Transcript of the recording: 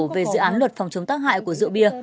về dự án luật phòng chống tác hại của rượu bia